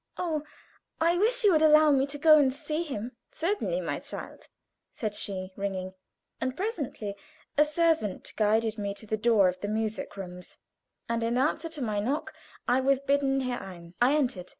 "Oh, I wish you would allow me to go and see him." "Certainly, my child," said she, ringing; and presently a servant guided me to the door of the music rooms, and in answer to my knock I was bidden herein! I entered.